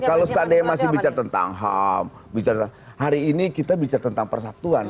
kalau seandainya masih bicara tentang ham bicara hari ini kita bicara tentang persatuan